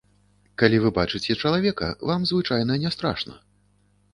Калі вы бачыце чалавека, вам звычайна не страшна.